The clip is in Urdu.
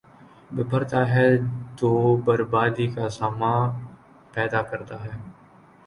، بپھر تا ہے تو بربادی کا ساماں پیدا کرتا ہے ۔